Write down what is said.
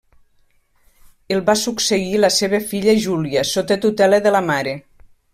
El va succeir la seva filla Júlia sota tutela de la mare.